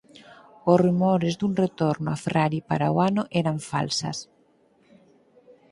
Os rumores dun retorno a Ferrari para o ano eran falsas.